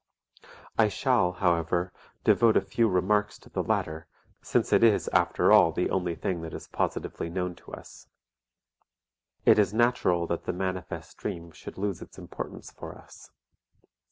I shall, however, devote a few remarks to the latter, since it is after all the only thing that is positively known to us. It is natural that the manifest dream should lose its importance for us.